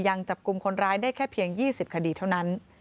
จับกลุ่มคนร้ายได้แค่เพียง๒๐คดีเท่านั้น